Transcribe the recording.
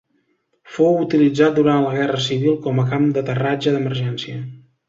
Fou utilitzat durant la Guerra Civil com a camp d'aterratge d'emergència.